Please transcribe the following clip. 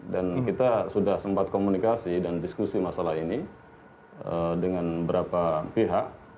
dan kita sudah sempat komunikasi dan diskusi masalah ini dengan beberapa pihak